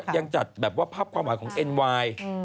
ยังจัดแบบว่าภาพความหวานของเอ็นไวน์